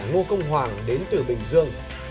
ngô công hoàng đến từ bình dương